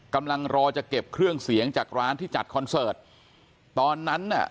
กำลังรอจะเก็บเครื่องเสียงจากร้านที่จัดคอนเสิร์ตตอนนั้นน่ะ